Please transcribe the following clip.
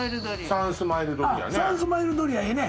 サンスマイルドリアええね